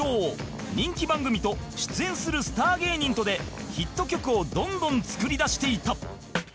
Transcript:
人気番組と出演するスター芸人とでヒット曲をどんどん作り出していた